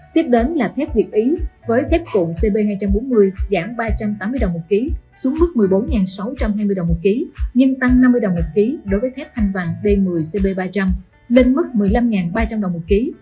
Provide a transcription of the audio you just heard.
tiếp đến là thép việt ý với thép cuộn cp hai trăm bốn mươi giảm ba trăm tám mươi đồng một ký xuống mức một mươi bốn sáu trăm hai mươi đồng một ký nhưng tăng năm mươi đồng một ký đối với thép thanh vàng d một mươi cb ba trăm linh lên mức một mươi năm ba trăm linh đồng một ký